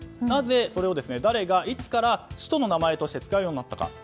なぜ誰がいつから首都の名前として使うようになったのか。